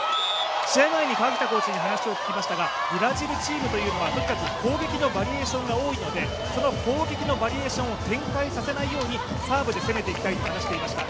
試合前に川北コーチに話を聞きましたがブラジルチームというのはとにかく攻撃のバリエーションが多いのでその攻撃のバリエーションを展開させないようにサーブで攻めていきたいと話していました。